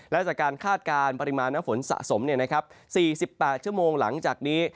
และจากการคาดการณ์ปริมาณน้ำฝนสะสม๔๘ชั่วโมงหลังจากนี้